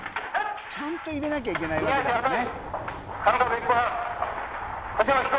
ちゃんと入れなきゃいけないわけだもんね。